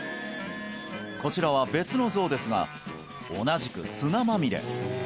こちらは別のゾウですが同じく砂まみれ